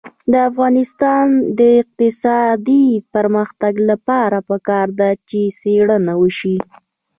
د افغانستان د اقتصادي پرمختګ لپاره پکار ده چې څېړنه وشي.